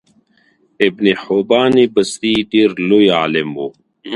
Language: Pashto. ابن حبان بستي ډیر لوی عالم وو